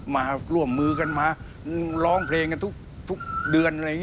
มาร่วมมือกันมาร้องเพลงกันทุกเดือน